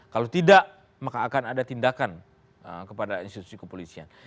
kalau tidak maka akan ada tindakan kepada institusi kepolisian